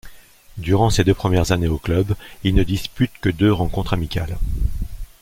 Durant ses deux premières années au club, il ne dispute que deux rencontres amicales.